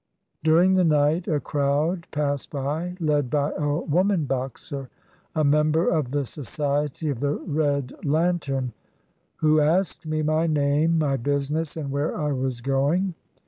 During the night, a crowd passed by, led by a woman Boxer, — a member of the Society of the Red Lantern, — who asked me my name, my business, and where I was going.